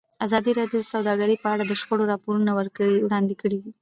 ازادي راډیو د سوداګري په اړه د شخړو راپورونه وړاندې کړي.